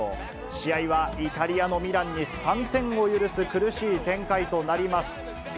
試合はイタリアのミランに３点を許す苦しい展開となります。